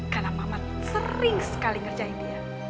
karena mama sering sekali ngerjain dia